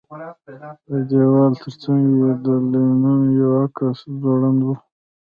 د دېوال ترڅنګ یې د لینن یو عکس ځوړند و